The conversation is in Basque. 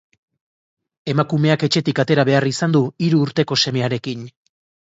Emakumeak etxetik atera behar izan du, hiru urteko semearekin.